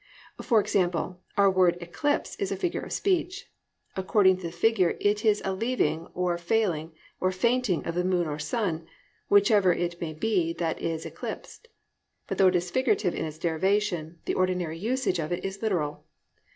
For example, our word "eclipse" is a figure of speech. According to the figure it is a leaving or failing or fainting of the moon or sun, whichever it may be that is eclipsed. But though it is figurative in its derivation, the ordinary usage of it is literal.